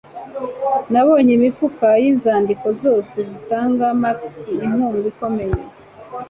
Nabonye imifuka yinzandiko, zose zitanga Max inkunga ikomeye